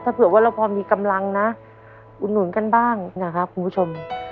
ถ้าเผื่อว่าเราพอมีกำลังนะอุดหนุนกันบ้างนะครับคุณผู้ชม